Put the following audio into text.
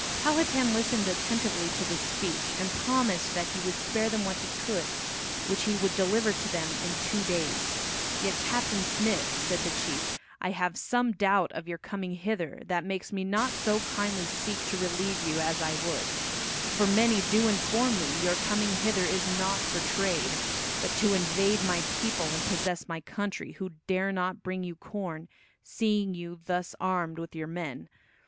Powhatan listened attentively to this speech, and promised that he would spare them what he could, which he would deliver to them in two days. "Yet, Captain Smith," said the chief, "I have some doubt of your coming hither that makes me not so kindly seek to relieve you as I would, for many do inform me your coming hither is not for trade, but to invade my people and possess my country, who dare not bring you corn, seeing you thus armed with your men.